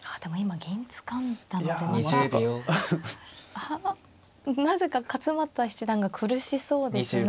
あなぜか勝又七段が苦しそうですが。